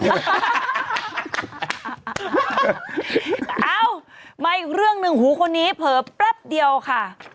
เอ้ามาอีกเรื่องหนึ่งหูคนนี้เผลอแป๊บเดียวค่ะ